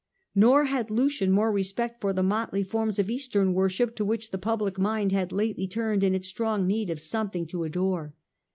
Nor had Lucian more respect for the motley forms of eastern worship to which the public mind had lately turned in its strong need of something to adore.